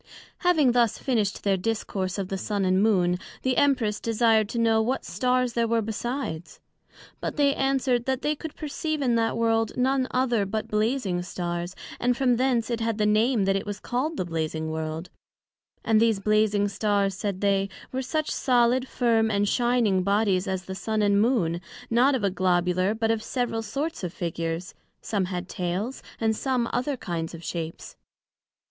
Having thus finished their discourse of the Sun and Moon, the Empress desired to know what Stars there were besides? But they answer'd, that they could perceive in that World none other but Blazing Stars, and from thence it had the name that it was called the Blazing World; and these Blazing Stars, said they, were such solid, firm and shining bodies as the Sun and Moon, not of a Globular, but of several sorts of figures: some had tails; and some, other kinds of shapes.